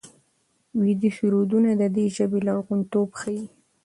ویدي سرودونه د دې ژبې لرغونتوب ښيي.